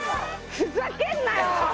ふざけんなよ！